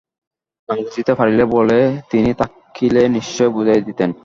না বুঝিতে পারিলে বলে তিনি থাকিলে নিশ্চয় বুঝাইয়া দিতেন।